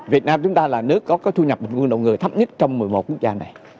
việt nam chúng ta là nước có thu nhập nguồn đồng người thấp nhất trong một mươi một quốc gia này